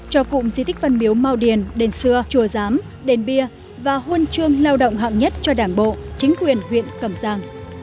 cho cụm di tích văn miếu mau điền đền xưa chùa giám đền bia và huân chương lao động hạng nhất cho đảng bộ chính quyền huyện cầm giang